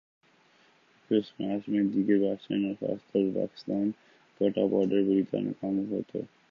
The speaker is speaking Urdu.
جبکہ اس میچ میں دیگر بیٹسمین اور خاص طور پر پاکستان کا ٹاپ آرڈر بری طرح ناکام ہوا تھا ۔